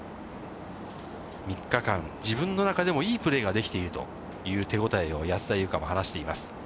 ３日間、自分の中でもいいプレーができているという手応えを安田祐香も話しています。